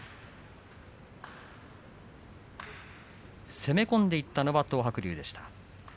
攻め込んでいったのは東白龍でした。